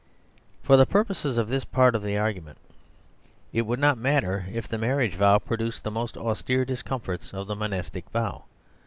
For the purposes of this part of the argument, it would not matter if the marriage vow produced the most austere discomforts of the monastic row.